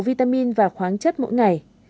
vitamin và khoáng chất mỗi ngày